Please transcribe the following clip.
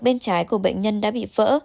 bên trái của bệnh nhân đã bị vỡ